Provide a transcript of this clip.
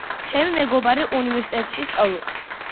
ჩემი მეგობარი უნივერსიტეტში სწავლობს.